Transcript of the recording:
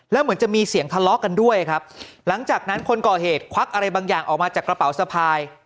แล้วเหมือนจะมีเสียงทะเลาะกันด้วยครับหลังจากนั้นคนก่อเหตุควักอะไรบางอย่างออกมาจากกระเป๋าสะพาย